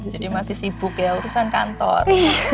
jadi masih sibuk ya urusan kantor